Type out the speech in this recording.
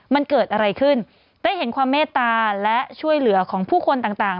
มันเกิดอะไรขึ้นได้เห็นความเมตตาและช่วยเหลือของผู้คนต่าง